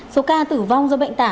số ca tử vong do bệnh tả